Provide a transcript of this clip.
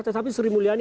tetapi sri mulyani